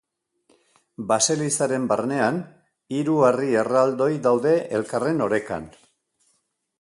Baselizaren barnean, hiru harri erraldoi daude elkarren orekan.